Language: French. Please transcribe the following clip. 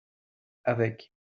avec.